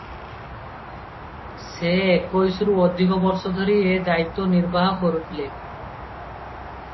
ସେ ଏକୋଇଶରୁ ଅଧିକ ବର୍ଷ ଧରି ଏ ଦାୟିତ୍ୱ ନିର୍ବାହ କରିଥିଲେ ।